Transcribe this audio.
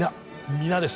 皆です。